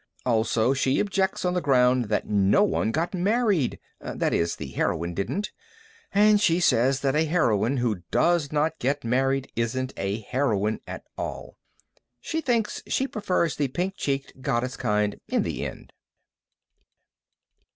Also she objects on the ground that no one got married that is, the heroine didn't. And she says that a heroine who does not get married isn't a heroine at all. She thinks she prefers the pink cheeked, goddess kind, in the end.